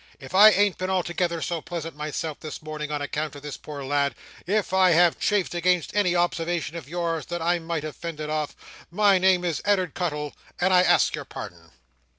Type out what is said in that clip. If I ain't been altogether so pleasant myself this morning, on account of this poor lad, and if I have chafed again any observation of yours that I might have fended off, my name is Ed'ard Cuttle, and I ask your pardon."